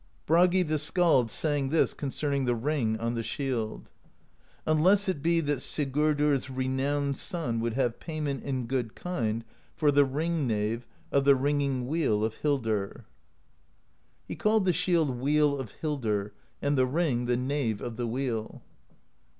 Bragi the Skald sang this concerning the ring on the shield: Unless it be, that Sigurdr's Renowned Son would have payment In good kind for the ring nave Of the Ringing Wheel of Hildr. i86 PROSE EDDA He called the shield Wheel of Hildr, and the ring the Nave of the Wheel.